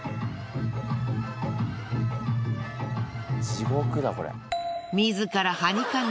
地獄だこれ。